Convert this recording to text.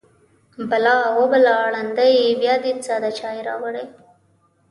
_بلا! وه بلا! ړنده يې! بيا دې ساده چای راوړی.